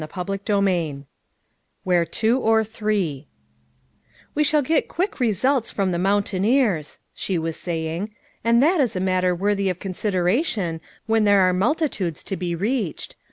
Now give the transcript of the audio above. CHAPTER XXni " WHERE TWO OR THREE " "We shall get quick results from the moun taineers," she was saying. "And that is a matter worthy of consideration when there are multitudes to he reached.